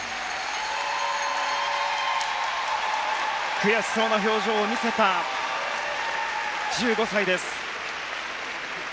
悔しそうな表情を見せた１５歳です。